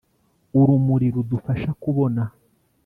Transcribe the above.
urumuri rudufasha kubona.